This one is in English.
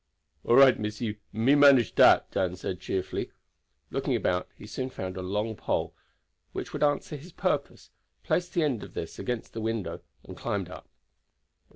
"All right, missie, me manage dat," Dan said cheerfully. Looking about he soon found a long pole which would answer his purpose, placed the end of this against the window, and climbed up.